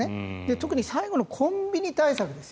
特に最後のコンビニ対策